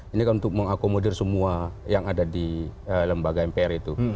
ini kan untuk mengakomodir semua yang ada di lembaga mpr itu